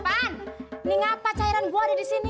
ban ini ngapa cairan gua ada di sini